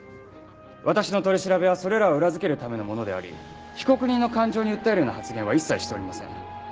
私の取り調べはそれらを裏付けるためのものであり被告人の感情に訴えるような発言は一切しておりません。